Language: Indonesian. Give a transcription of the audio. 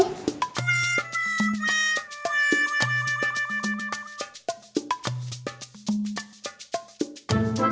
ini kita lihat